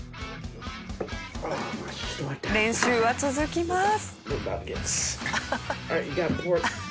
練習は続きます。